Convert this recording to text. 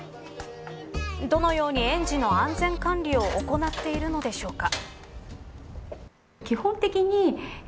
どのように園児の安全管理を行っているのでしょうか。